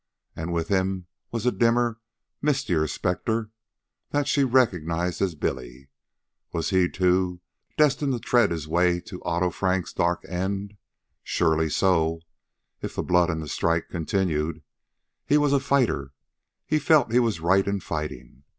And with him was a dimmer, mistier specter that she recognized as Billy. Was he, too, destined to tread his way to Otto Frank's dark end? Surely so, if the blood and strike continued. He was a fighter. He felt he was right in fighting.